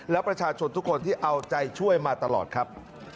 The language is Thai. และประชาชนทุกคนที่เอาใจช่วยมาตลอดครับ